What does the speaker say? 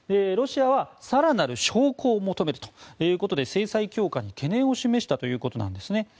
ロシアは更なる証拠を求めるということで制裁強化に懸念を示したということです。